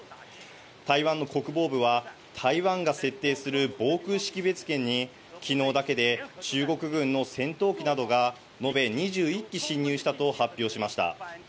台湾の国防部は台湾が設定する防空識別圏に昨日だけで中国軍の戦闘機などが、延べ２１機進入したと発表しました。